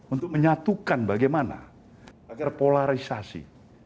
untuk menyatukan bagaimana agar polarisasi